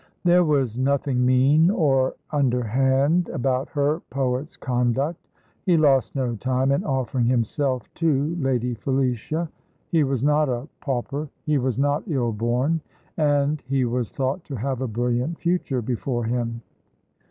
There was nothing mean or underhand about her poet's conduct. He lost no time in offering himself to Lady Felicia. He was not a pauper; he was not ill born; and he was thought to have a brilliant future before him.